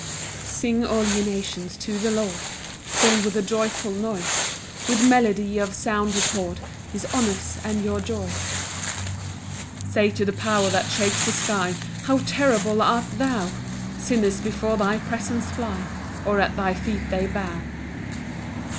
1 Sing, all ye nations, to the Lord, Sing with a joyful noise; With melody of sound record His honours, and your joys. 2 Say to the power that shakes the sky, "How terrible art thou! "Sinners before thy presence fly, "Or at thy feet they bow."